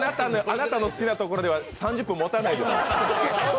あなたの好きなところでは３０分もたないです。